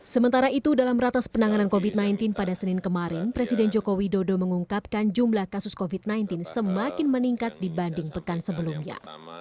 sementara itu dalam ratas penanganan covid sembilan belas pada senin kemarin presiden joko widodo mengungkapkan jumlah kasus covid sembilan belas semakin meningkat dibanding pekan sebelumnya